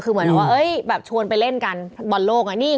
คือเหมือนว่าแบบชวนไปเล่นกันบอลโลก